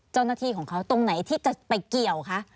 เจ้าหน้าที่ของเขาตรงไหนที่จะไปเกี่ยวคะ